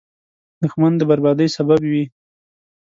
دښمن د بربادۍ سبب وي